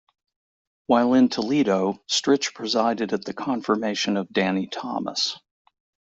While in Toledo Stritch presided at the confirmation of Danny Thomas.